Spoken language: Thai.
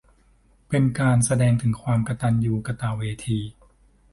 ก็เป็นการแสดงถึงความกตัญญูกตเวที